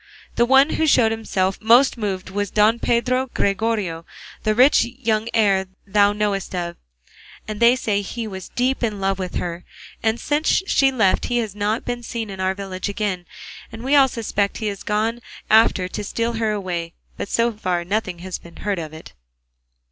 The one who showed himself most moved was Don Pedro Gregorio, the rich young heir thou knowest of, and they say he was deep in love with her; and since she left he has not been seen in our village again, and we all suspect he has gone after her to steal her away, but so far nothing has been heard of it."